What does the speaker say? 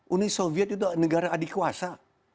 uni soviet itu negara adik kuasa